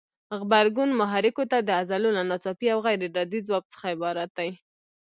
غبرګون محرکو ته د عضلو له ناڅاپي او غیر ارادي ځواب څخه عبارت دی.